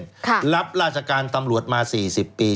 ค่ะรับราชการตำรวจมา๔๐ปี